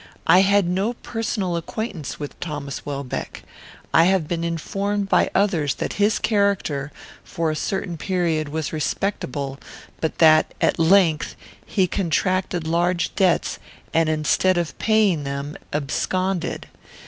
I had no personal acquaintance with Thomas Welbeck. I have been informed by others that his character, for a certain period, was respectable, but that, at length, he contracted large debts, and, instead of paying them, absconded.